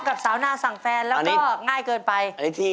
กับสาวนาสั่งแฟนแล้วก็ง่ายเกินไป